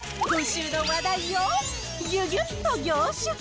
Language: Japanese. そして今週の話題をぎゅぎゅっと凝縮。